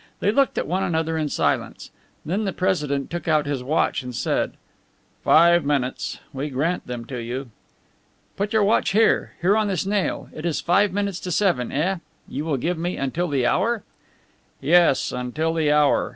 They looked at one another in silence. Then the president took out his watch and said: "Five minutes. We grant them to you." "Put your watch here. Here on this nail. It is five minutes to seven, eh? You will give me until the hour?" "Yes, until the hour.